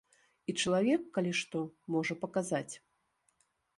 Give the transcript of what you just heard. І чалавек, калі што, можа паказаць.